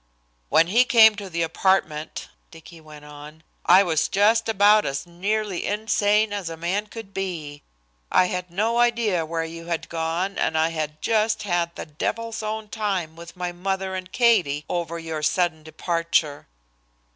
"When he came to the apartment," Dicky went on, "I was just about as nearly insane as a man could be. I had no idea where you had gone and I had just had the devil's own time with my mother and Katie over your sudden departure."